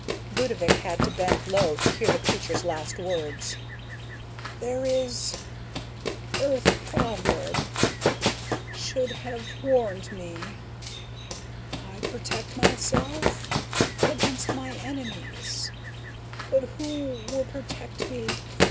Ludovick had to bend low to hear the creature's last words: "There is ... Earth proverb ... should have warned me ... 'I can protect myself ... against my enemies ... but who will protect me